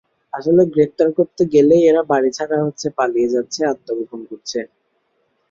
আসলে গ্রেপ্তার করতে গেলেই এরা বাড়িছাড়া হচ্ছে, পালিয়ে যাচ্ছে, আত্মগোপন করছে।